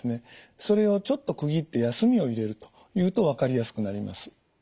それをちょっと区切って休みを入れるというと分かりやすくなります。